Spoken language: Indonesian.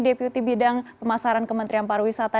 deputi bidang pemasaran kementerian para wisata